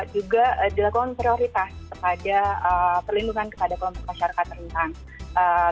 juga dilakukan prioritas kepada perlindungan kepada kelompok masyarakat rentan